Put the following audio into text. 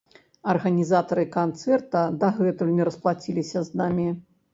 Арганізатары канцэрта дагэтуль не расплаціліся з намі.